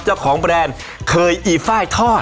เจ้าของแปรนเคยอีฟ่ายทอด